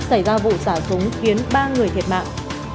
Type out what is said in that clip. xảy ra vụ xả súng khiến ba người thiệt mạng